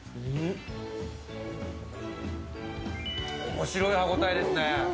面白い歯応えですね。